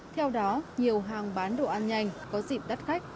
theo đó nhiều hàng bán đồ ăn nhanh có dịp đắt khách